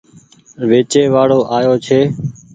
ويچي وآڙو آيو ڇي۔